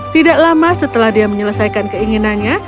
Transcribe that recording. tidak lama setelah dia menyelesaikan keinginannya